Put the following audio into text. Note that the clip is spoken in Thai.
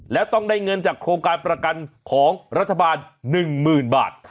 แล้วต้องได้เงินจากโครงการประกันของรัฐบาล๑๐๐๐บาท